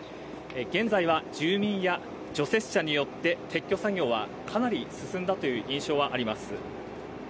現在は、住民や除雪車によって撤去作業はかなり進んだという印象はあります。